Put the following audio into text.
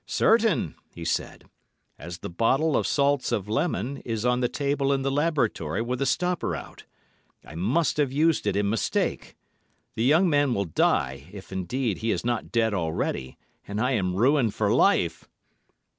'Certain!' he said, 'as the bottle of salts of lemon is on the table in the laboratory with the stopper out. I must have used it in mistake. The young man will die, if, indeed, he is not dead already, and I am ruined for life.